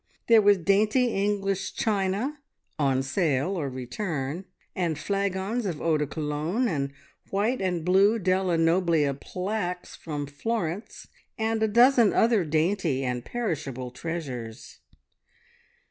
There was dainty English china (on sale or return), and flagons of Eau de Cologne, and white and blue Della Noblia plaques from Florence, and a dozen other dainty and perishable treasures.